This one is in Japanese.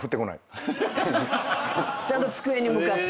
ちゃんと机に向かって。